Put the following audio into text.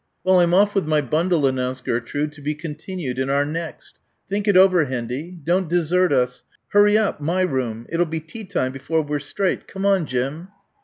"Well I'm off with my bundle," announced Gertrude. "To be continued in our next. Think it over, Hendy. Don't desert us. Hurry up, my room. It'll be tea time before we're straight. Come on, Jim."